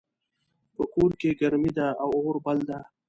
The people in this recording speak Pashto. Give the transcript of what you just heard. په کور کې ګرمي ده او اور بل ده